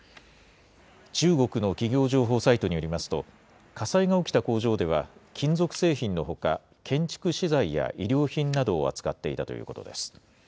中国の企業情報サイトによりますと、火災が起きた工場では、金属製品のほか、建築資材や衣料品などを扱っていたということです。